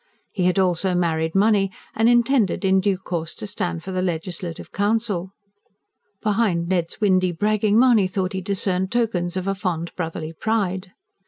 He had also married money, and intended in due course to stand for the Legislative Council. Behind Ned's windy bragging Mahony thought he discerned tokens of a fond, brotherly pride.